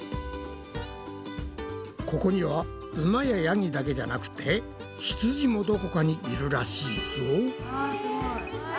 ここにはウマやヤギだけじゃなくてひつじもどこかにいるらしいぞ。